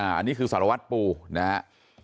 อันนี้คือสารวัตรปูนะครับ